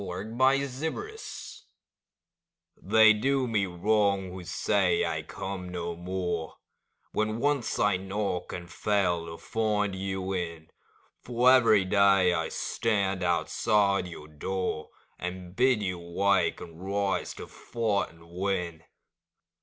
OPPORTUNITY They do me wrong who say I come no more When once I knock and fail to find you in ; For every day I stand outside your door, And bid you wake, and rise to fight and win.